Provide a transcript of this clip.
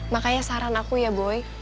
makanya saran aku ya boy